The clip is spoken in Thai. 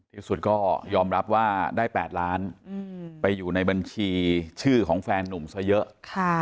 ที่สุดก็ยอมรับว่าได้๘ล้านไปอยู่ในบัญชีชื่อของแฟนนุ่มซะเยอะ